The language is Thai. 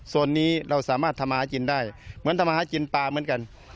โซนนี้เราสามารถธรรมาฮาจินได้เหมือนธรรมาฮาจินปลาเหมือนกัน